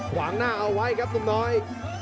ขวางหน้าเอาไว้ครับหนุ่มน้อย